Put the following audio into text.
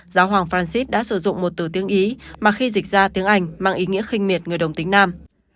giáo hoàng francis đã sử dụng một từ tiếng ý mà khi dịch ra tiếng anh mang ý nghĩa khinh miệt người đồng tính nam